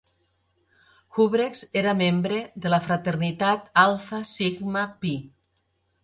Houbregs era membre de la fraternitat Alpha Sigma Phi.